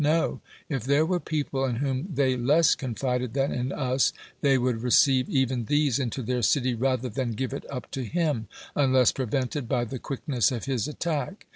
No : if there were people in whom they less con fided than in us, they would receive even these into their city rather than give it up to him, unless prevented by the quickness of his attack.